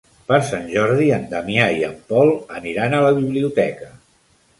Per Sant Jordi en Damià i en Pol aniran a la biblioteca.